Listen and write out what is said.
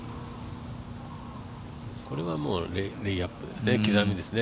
これはもうレイアップですね